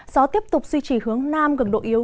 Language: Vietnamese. gió tiếp tục duy trì hướng nam gần độ yếu